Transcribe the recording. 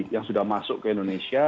yang sudah masuk ke indonesia